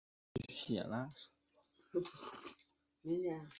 旨在部长级毕业于山东农业大学蔬菜专业。